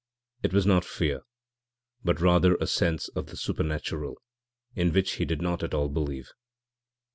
It was not fear, but rather a sense of the supernatural in which he did not at all believe.